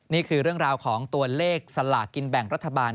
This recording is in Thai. นี่คือเรื่องราวของตัวเลขสลากินแบ่งรัฐบาล